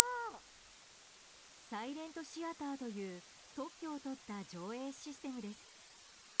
サイレントシアターという特許を取った上映システムです。